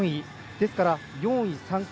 ですから４位３回。